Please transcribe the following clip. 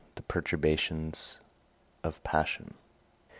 THE PERTURBATIONS OF PASSION.